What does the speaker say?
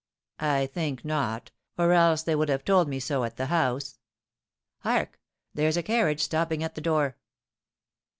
"I think not, or else they would have told me so at the house." "Hark! there's a carriage stopping at the door."